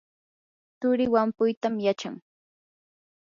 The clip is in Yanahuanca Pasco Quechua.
turii wampuytam yachan.